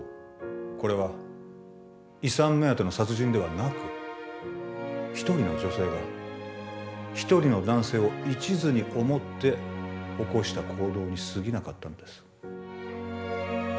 これは遺産目当ての殺人ではなく一人の女性が一人の男性を一途に思って起こした行動にすぎなかったんです